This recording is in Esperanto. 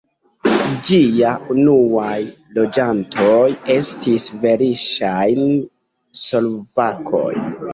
Ĝia unuaj loĝantoj estis verŝajne slovakoj.